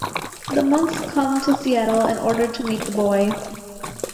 The monks come to Seattle in order to meet the boy.